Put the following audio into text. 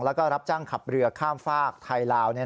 แล้วก็รับจ้างขับเรือข้ามฝากไทยลาว